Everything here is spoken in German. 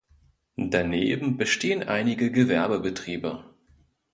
Daneben bestehen einige Gewerbebetriebe.